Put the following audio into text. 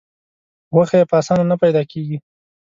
غوښه یې په اسانه نه پیدا کېږي.